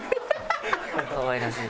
かわいらしい。